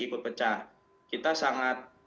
ikut pecah kita sangat